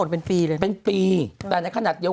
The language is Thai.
คุณหนุ่มกัญชัยได้เล่าใหญ่ใจความไปสักส่วนใหญ่แล้ว